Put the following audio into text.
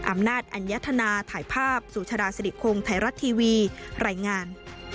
อำนาจอัญญธนาถ่ายภาพสุชาดาสิริคงไทยรัฐทีวีรายงาน